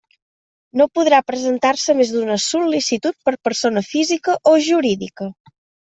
No podrà presentar-se més d'una sol·licitud per persona física o jurídica.